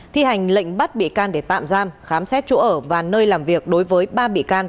thi hành lệnh bắt bị can để tạm giam khám xét chỗ ở và nơi làm việc đối với ba bị can